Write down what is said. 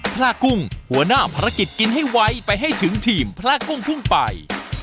พระกุ้งหัวหน้าภารกิจกินให้ไวไปให้ถึงทีมพระกุ้งพุ่งไป